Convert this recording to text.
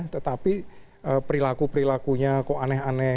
tetapi perilaku perilakunya kok aneh aneh